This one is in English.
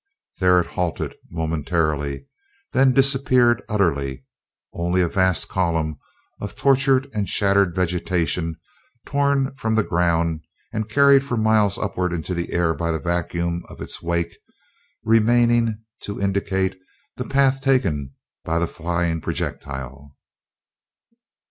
There it halted momentarily, then disappeared utterly, only a vast column of tortured and shattered vegetation, torn from the ground and carried for miles upward into the air by the vacuum of its wake, remaining to indicate the path taken by the flying projectile.